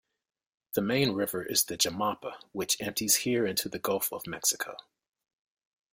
The main river is the Jamapa, which empties here into the Gulf of Mexico.